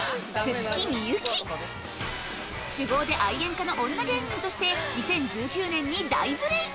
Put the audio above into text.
酒豪で愛煙家の女芸人として２０１９年に大ブレイク